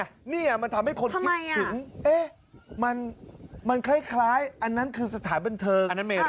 นี่มันทำให้คนคิดถึงมันคล้ายอันนั้นคือสถานบันเทิง